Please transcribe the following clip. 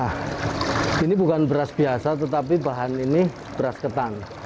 nah ini bukan beras biasa tetapi bahan ini beras ketan